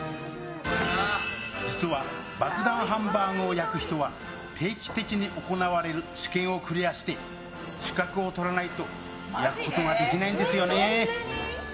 実は、爆弾ハンバーグを焼く人は定期的に行われる試験をクリアして資格を取らないと焼くことができないんですよね。